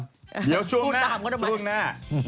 เดี๋ยวช่วงหน้า